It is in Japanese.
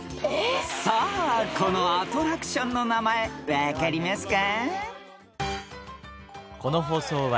［さあこのアトラクションの名前分かりますか？］